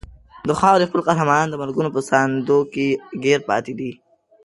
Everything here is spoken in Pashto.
د خاورې خپل قهرمانان د مرګونو په ساندو کې ګیر پاتې دي.